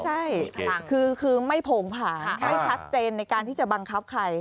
ใช่คือไม่โผงผางไม่ชัดเจนในการที่จะบังคับใคร